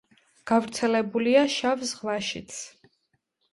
გავრცელებულია შავ ზღვაშიც.